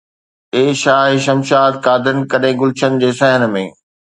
اي شاهه شمشاد قادن، ڪڏهن گلشن جي صحن ۾